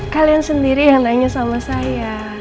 kalian sendiri yang nanya sama saya